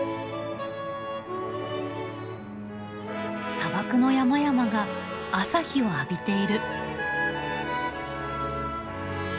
砂漠の山々が朝日を浴びている。